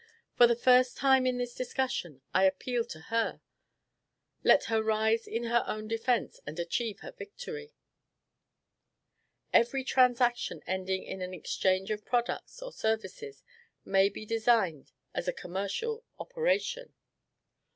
for the first time in this discussion I appeal to her. Let her rise in her own defence, and achieve her victory. Every transaction ending in an exchange of products or services may be designated as a COMMERCIAL OPERATION.